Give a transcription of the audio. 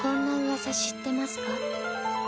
噂知ってますか？